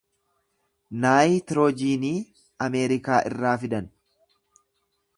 Naayitroojiinii Ameerikaa irraa fidan.